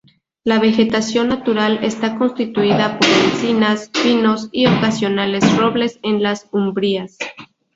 La vegetación natural está constituida por encinas, pinos y ocasionales robles en las umbrías.